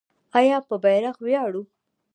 آیا په بیرغ ویاړو؟